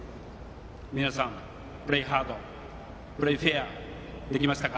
皆さん、「プレーハードプレーフェア」できましたか？